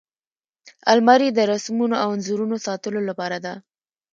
الماري د رسمونو او انځورونو ساتلو لپاره ده